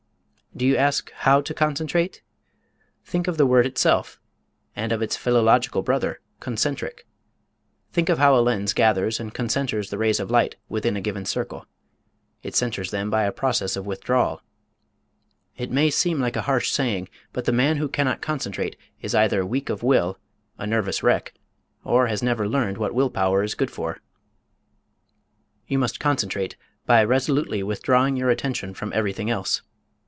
Do you ask how to concentrate? Think of the word itself, and of its philological brother, concentric. Think of how a lens gathers and concenters the rays of light within a given circle. It centers them by a process of withdrawal. It may seem like a harsh saying, but the man who cannot concentrate is either weak of will, a nervous wreck, or has never learned what will power is good for. You must concentrate by resolutely withdrawing your attention from everything else.